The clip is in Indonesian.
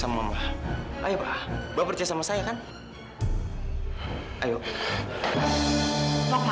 sampai jumpa di video selanjutnya